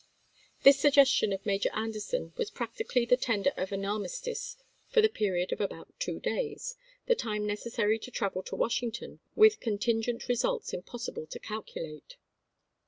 This suggestion of Major Anderson was prac tically the tender of an armistice for the period of about two days, the time necessary to travel to Washington, with contingent results impossible to calculate.